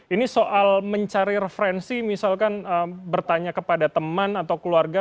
ini soal mencari referensi misalkan bertanya kepada teman atau keluarga